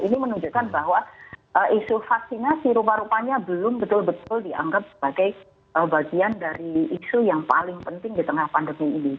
ini menunjukkan bahwa isu vaksinasi rupa rupanya belum betul betul dianggap sebagai bagian dari isu yang paling penting di tengah pandemi ini